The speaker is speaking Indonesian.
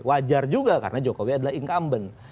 wajar juga karena jokowi adalah incumbent